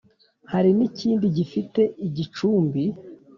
hari n’ikindi gifite igicumbi